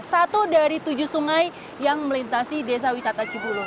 satu dari tujuh sungai yang melintasi desa wisata cibulu